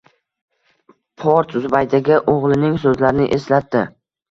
Port Zubaydaga o`g`lining so`zlarini eslatdi